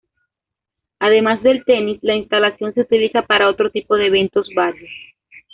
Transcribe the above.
Además del tenis, la instalación se utiliza para otro tipo de eventos varios.